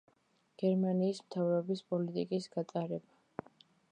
გერმანიის მთავრობის პოლიტიკის გატარება.